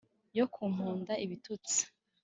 yo kumpunda ibitutsi